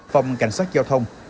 phòng cảnh sát giao thông